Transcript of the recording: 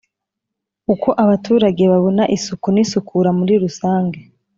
Uko abaturage babona isuku n’isukura muri rusange